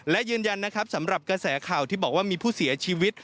และยืนยันนะครับสำหรับกระแสข่าวที่บอกว่ามีผู้เสียชีวิต